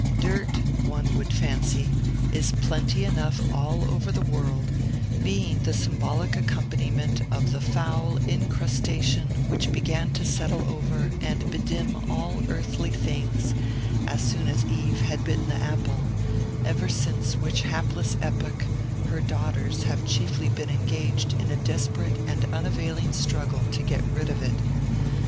Dirt, one would fancy, is plenty enough all over the world, being the symbolic accompaniment of the foul incrustation which began to settle over and bedim all earthly things as soon as Eve had bitten the apple; ever since which hapless epoch, her daughters have chiefly been engaged in a desperate and unavailing struggle to get rid of it.